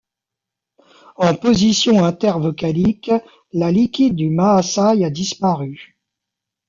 En position intervocalique, la liquide du maasai a disparu.